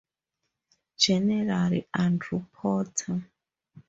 General Andrew Porter.